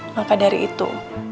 maka dari itu